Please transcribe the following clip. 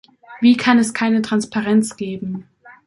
Wie kann es keine Transparenz geben?